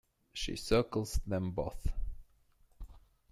She circles them both.